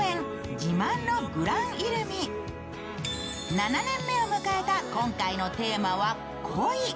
７回目を迎えた今回のテーマは恋。